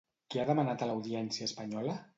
Què ha demanat a l'Audiència espanyola?